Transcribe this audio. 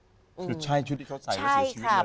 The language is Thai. ชุดช่ายชุดที่เขาใส่แล้วเสียชีเลย